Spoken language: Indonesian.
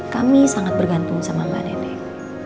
kami sangat bergantung sama mbak neneng